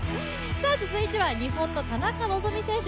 続いては日本の田中希実選手。